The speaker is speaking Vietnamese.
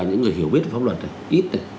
những người hiểu biết pháp luật